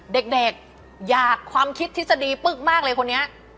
เด็กอยากความคิดทฤษฎีปึ๊กมากเลยคนนี้